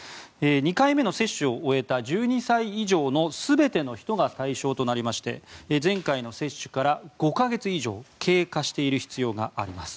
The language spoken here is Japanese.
２回目の接種を終えた１２歳以上の全ての人が対象となりまして前回の接種から５か月以上経過している必要があります。